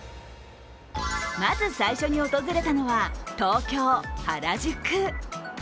まず最初に訪れたのは東京・原宿。